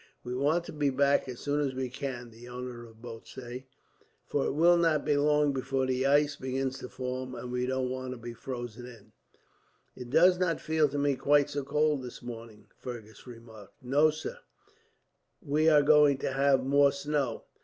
"We want to be back as soon as we can," the owner of the boat said, "for it will not be long before the ice begins to form, and we don't want to be frozen in." "It does not feel to me quite so cold this morning," Fergus remarked. "No, sir; we are going to have more snow.